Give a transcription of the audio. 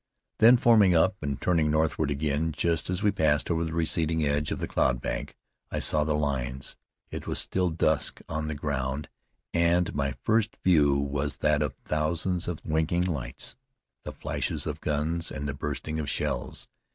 Then, forming up and turning northward again, just as we passed over the receding edge of the cloud bank, I saw the lines. It was still dusk on the ground and my first view was that of thousands of winking lights, the flashes of guns and of bursting shells.